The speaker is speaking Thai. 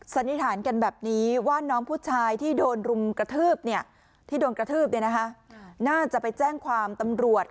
สันนิษฐานกันแบบนี้ว่าน้องผู้ชายที่โดนกระทืบเนี่ยน่าจะไปแจ้งความตำรวจ